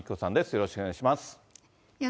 よろしくお願いします。